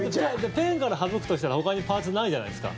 ペンから省くとしたらほかにパーツないじゃないですか。